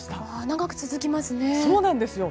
長く続きますね。